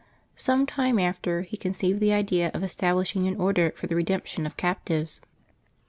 Some time after, he conceived the idea of establishing an order for the redemption of captives.